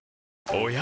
おや？